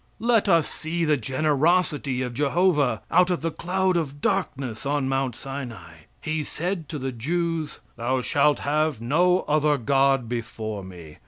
Let us see the generosity of Jehovah out of the cloud of darkness on Mount Sinai. He said to the Jews: "Thou shalt have no other God before Me.